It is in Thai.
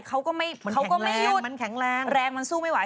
เขาก็ไม่เขาก็ไม่หยุดมันแข็งแรงแรงมันสู้ไม่ไห